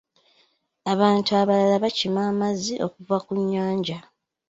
Abantu abalala baakima amazzi okuva ku nnyanja.